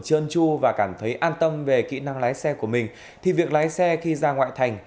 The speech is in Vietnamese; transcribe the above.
trơn tru và cảm thấy an tâm về kỹ năng lái xe của mình thì việc lái xe khi ra ngoại thành